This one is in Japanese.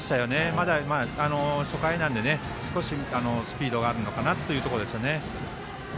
まだ初回なので少しスピードがあるのかなというところですよね。